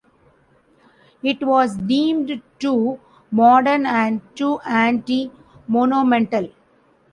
It was deemed too modern and too anti-monumental.